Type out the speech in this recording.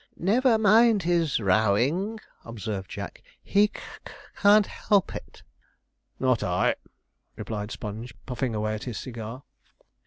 'Never mind his rowing,' observed Jack; 'he c c can't help it.' 'Not I,' replied Sponge, puffing away at his cigar.